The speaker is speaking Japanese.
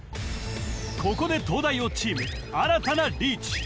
ここで東大王チーム新たなリーチ